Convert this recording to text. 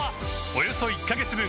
およそ１カ月分